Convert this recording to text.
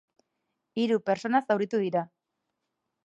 Hiru pertsona zauritu dira.